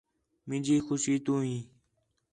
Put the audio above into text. مینجی خوشی تُو ہیں